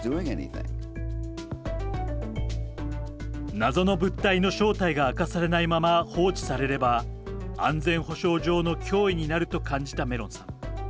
謎の物体の正体が明かされないまま放置されれば安全保障上の脅威になると感じたメロンさん。